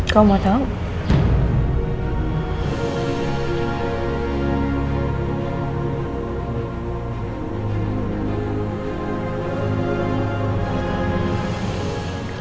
kamu mau tahu